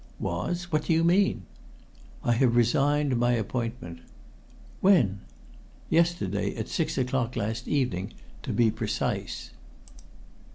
"Was? What do you mean?" "I have resigned my appointment." "When?" "Yesterday at six o'clock last evening, to be precise."